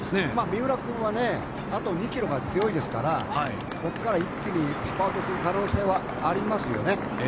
三浦君はあと２ｋｍが強いですからここから一気にスパートする可能性はありますよね。